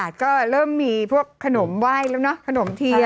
นี่อีก๒วัน